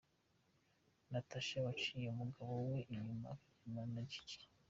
Natasha waciye umugabo we inyuma akaryamana na Giggs.